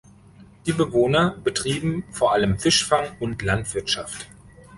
Die Bewohner betrieben vor allem Fischfang und Landwirtschaft.